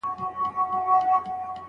د عوامو مجلس ولي مهم دی؟